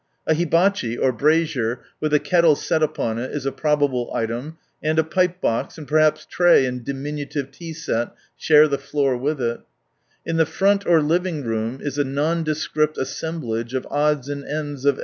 A "hibachi" ^^^^^B or brazier, with a kettle set upon it, is a ^H ^^^ ^K probable item, and a pipe box, and perhaps ^|}"^ tray and diminutive tea set, share the floor ^| with ■ In the front or living room, is a non H '^T descript assemblage of odds and ends of